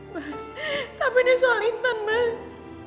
mas tapi ini soal intan mas